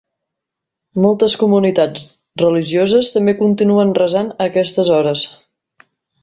Moltes comunitats religioses també continuen resant a aquestes hores.